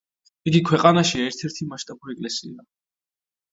იგი ქვეყანაში ერთ-ერთი მასშტაბური ეკლესიაა.